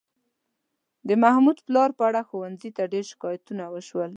د محمود پلار په اړه ښوونځي ته ډېر شکایتونه وشول.